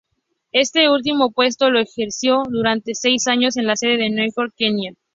Este último puesto lo ejerció durante seis años en la sede de Nairobi, Kenia.